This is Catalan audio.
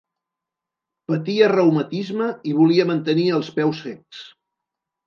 Patia reumatisme i volia mantenir els peus secs.